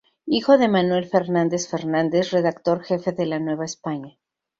Hijo de Manuel Fernández Fernández, redactor jefe de La Nueva España.